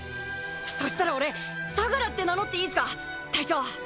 そしたら俺「相楽」って名乗っていいっすか隊長！